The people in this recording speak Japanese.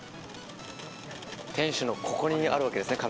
店主のここにあるわけですね